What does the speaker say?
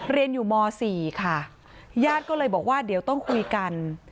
เรียนอยู่ม๔ค่ะญาติก็เลยบอกว่าเดี๋ยวต้องคุยกัน